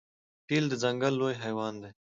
فیل د ځنګل لوی حیوان دی.